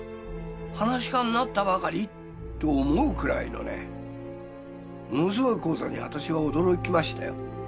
噺家になったばかり？」って思うくらいのねものすごい高座に私は驚きましたよ。